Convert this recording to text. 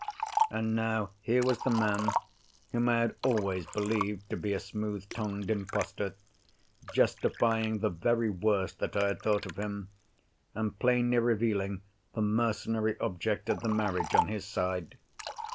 And now, here was the man—whom I had always believed to be a smooth tongued impostor—justifying the very worst that I had thought of him, and plainly revealing the mercenary object of the marriage, on his side!